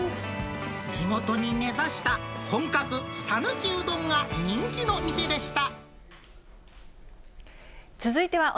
地元に根ざした本格讃岐うどんが人気の店でした。